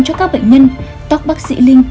cho các bệnh nhân tóc bác sĩ linh